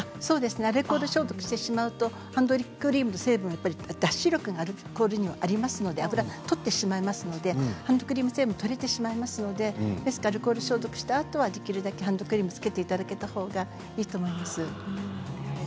アルコール消毒してしまうとハンドクリームの成分が脱脂力がアルコールにはありますのでハンドクリームの成分が取れてしまいますのでアルコール消毒したあとは手だけハンドクリームつけていただいたほうがいいと思います。